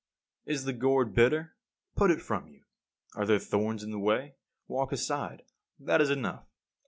50. Is the gourd bitter? Put it from you. Are there thorns in the way? Walk aside. That is enough.